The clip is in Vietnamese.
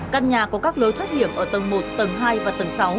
căn nhà có các lối thoát hiểm ở tầng một tầng hai và tầng sáu